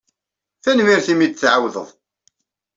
Tanemmirt imi i d-tɛawdeḍ.